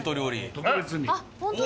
特別に。